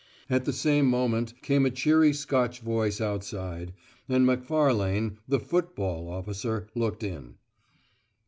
At the same moment came a cheery Scotch voice outside, and Macfarlane, the "football" officer, looked in.